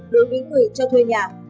đối với người cho thuê nhà